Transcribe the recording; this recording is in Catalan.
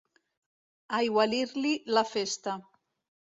Aigualir-li la festa.